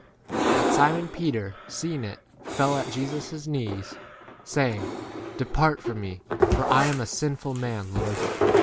But Simon Peter seeing it, fell at Jesus' knees, saying, De part from me, for I am a sinful 9 man, Lord.